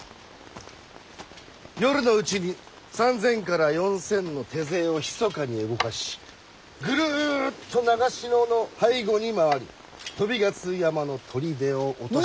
夜のうちに３，０００から４，０００の手勢をひそかに動かしぐるっと長篠の背後に回り鳶ヶ巣山の砦を落とし。